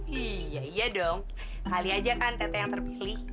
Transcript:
iya iya dong kali aja kan tete yang terpilih